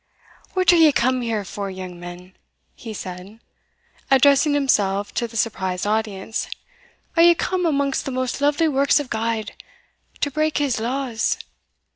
"What are ye come here for, young men?" he said, addressing himself to the surprised audience; "are ye come amongst the most lovely works of God to break his laws?